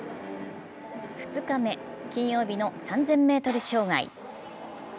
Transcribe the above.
２日目、金曜日の３０００ｍ障害。